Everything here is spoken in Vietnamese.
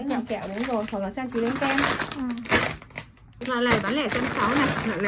làm bánh kẹo này